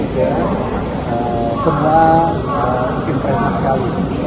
dan semua mungkin presiden sekali